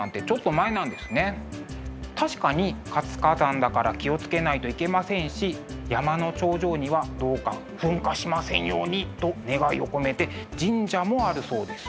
確かに活火山だから気を付けないといけませんし山の頂上にはどうか噴火しませんようにと願いを込めて神社もあるそうです。